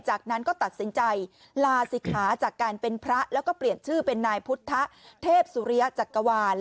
จากนั้นก็ตัดสินใจลาศิกขาจากการเป็นพระแล้วก็เปลี่ยนชื่อเป็นนายพุทธเทพสุริยจักรวาล